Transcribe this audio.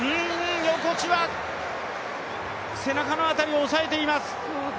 横地は背中の辺りを押さえています。